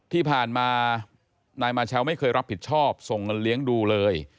ที่ผ่านมานายมาเชลไม่เคยรับผิดชอบส่งเงินเลี้ยงดูเลย